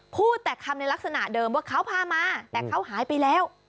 พูดแต่คำในลักษณะเดิมว่าเขาพามาแต่เขาหายไปแล้ว